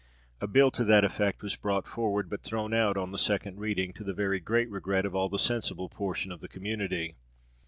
A bill to that effect was brought forward, but thrown out on the second reading, to the very great regret of all the sensible portion of the community.